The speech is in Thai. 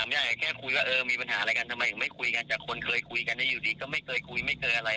ทำไมยังไม่คุยกันแต่คนเคยคุยกันได้อยู่ดีก็ไม่เคยคุยไม่เคยอะไร